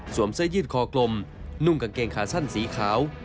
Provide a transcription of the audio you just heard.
เสื้อยืดคอกลมนุ่งกางเกงขาสั้นสีขาว